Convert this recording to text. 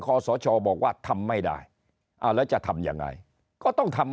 ขอสชบอกว่าทำไม่ได้แล้วจะทำยังไงก็ต้องทำ